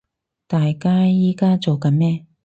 大家依家做緊咩